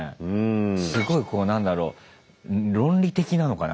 すごいこう何だろう論理的なのかな？